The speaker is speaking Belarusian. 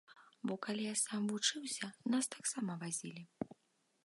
Бо калі я сам вучыўся, нас таксама вазілі.